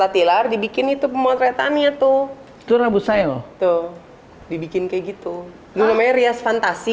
kemar dibikin itu pemotretannya tuh itu rabu sayo tuh dibikin kayak gitu lu merias fantasi